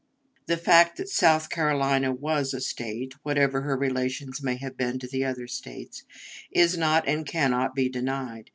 The fact that South Carolina was a State whatever her relations may have been to the other States is not and can not be denied.